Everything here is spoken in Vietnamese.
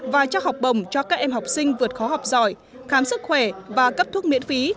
và trao học bổng cho các em học sinh vượt khó học giỏi khám sức khỏe và cấp thuốc miễn phí